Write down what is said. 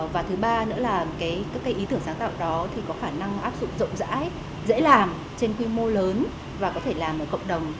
và thứ ba nữa là các cái ý tưởng sáng tạo đó thì có khả năng áp dụng rộng rãi dễ làm trên quy mô lớn và có thể làm ở cộng đồng